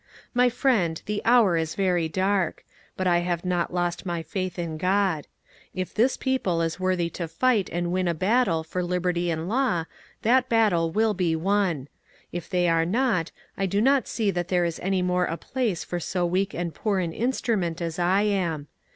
My friend, the hour is very dark ; but I have not lost my faith in God. If this people is worthy to fight and win a battle for Liberty and Law, that battle will be won ; if they are not, I do not see that there is any more a place for so weak and poor an instrument as I am.